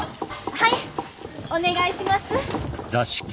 はいお願いします。